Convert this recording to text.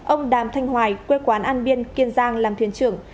ông đàm thanh hoài quê quán an biên kiên giang làm thuyền trưởng